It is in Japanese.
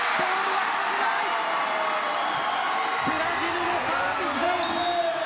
ブラジルのサービスエース。